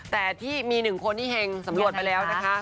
แต่ที่มี๑คนที่แห่งสำรวจไปแล้วนะคะ